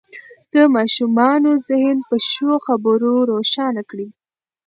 د ماشومانو ذهن په ښو خبرو روښانه کړئ.